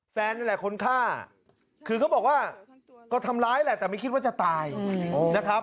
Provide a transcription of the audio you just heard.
แฟนนี่แหละคนฆ่าคือเขาบอกว่าก็ทำร้ายแหละแต่ไม่คิดว่าจะตายนะครับ